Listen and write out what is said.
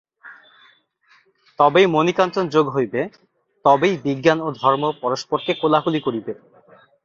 তবেই মণিকাঞ্চনযোগ হইবে, তবেই বিজ্ঞান ও ধর্ম পরস্পরকে কোলাকুলি করিবে।